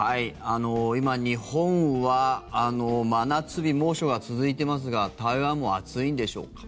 今、日本は真夏日、猛暑が続いてますが台湾も暑いんでしょうか。